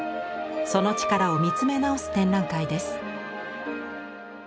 その力を見つめ直す展覧会です。